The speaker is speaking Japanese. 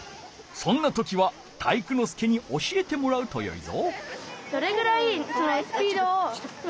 そんな時は体育ノ介に教えてもらうとよいぞ。